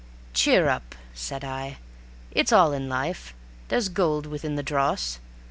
"Cheer up," said I; "it's all in life. There's gold within the dross.